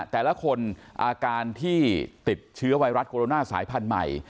แต่ละคนอาการที่ติดเชื้อไวรัสโคโรนาสายพันธุ์ใหม่